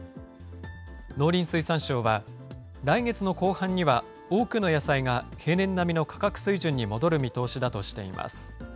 農林水産省は、来月の後半には、多くの野菜が平年並みの価格水準に戻る見通しだとしています。